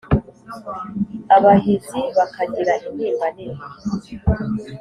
Abahizi bakagira intimba nini